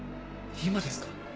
今ですか？